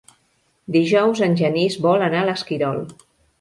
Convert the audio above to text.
Dijous en Genís vol anar a l'Esquirol.